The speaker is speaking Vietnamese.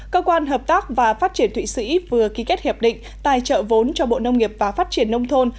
cơ quan hợp tác và phát triển thụy sĩ vừa ký kết hiệp định tài trợ vốn cho bộ nông nghiệp và phát triển nông thôn